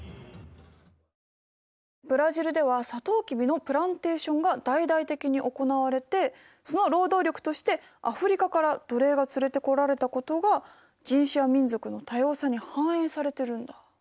ブラジルではさとうきびのプランテーションが大々的に行われてその労働力としてアフリカから奴隷が連れてこられたことが人種や民族の多様さに反映されてるんだ。